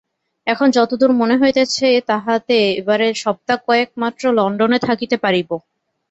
এখন যতদূর মনে হইতেছে, তাহাতে এবারে সপ্তাহ-কয়েক মাত্র লণ্ডনে থাকিতে পারিব।